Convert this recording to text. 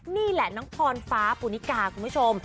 นี่แหละน้องพรฟ้าปูนิกาคุณผู้ชม